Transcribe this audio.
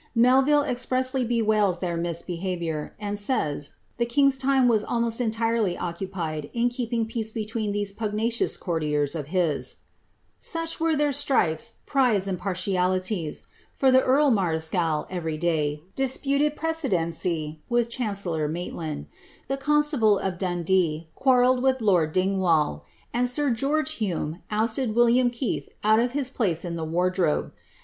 Melville expressly bewails their misbehaviour, and says, the king's time was almost entirely occupied in keeping peace between these pugnacious courtiers of his, ^ such were tbeir strifes, prides, and partialities ; for the earl marischal, every day, disputed precedency with chancellor Maitland ; the constable of Dundee qnarrrlled with lord Dingwall; and sir^eorge Hum (Hume) ousted William Keith out of his place in the wardrobe.